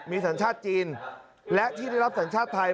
มีสัญชาติจีนและที่ได้รับสัญชาติไทย